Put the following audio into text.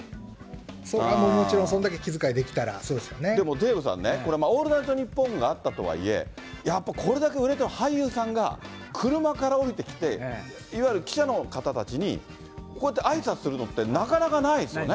もちろん、そんだけ気遣いででも、デーブさんね、これ、オールナイトニッポンがあったとはいえ、やっぱ、これだけ売れてる俳優さんが、車から降りてきて、いわゆる記者の方たちに、こうやってあいさつするのって、なかなないですね。